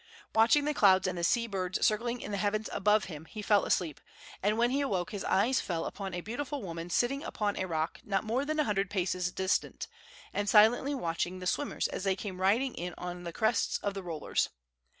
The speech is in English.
Watching the clouds and the sea birds circling in the heavens above him, he fell asleep, and when he awoke his eyes fell upon a beautiful woman sitting upon a rock not more than a hundred paces distant, and silently watching the swimmers as they came riding in on the crests of the rollers.